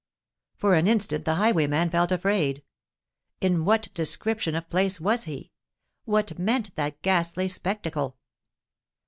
For an instant the highwayman felt afraid:—in what description of place was he? what meant that ghastly spectacle?